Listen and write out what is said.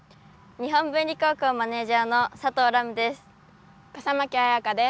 日本文理高校マネージャーの佐藤麗結です。